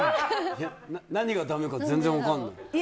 何がだめか全然分かんない。